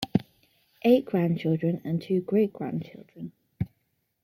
Eight grandchildren, and two great-grandchildren.